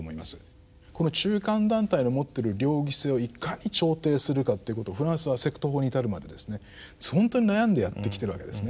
この中間団体の持ってる両義性をいかに調停するかっていうことをフランスはセクト法に至るまでですねほんとに悩んでやってきてるわけですね。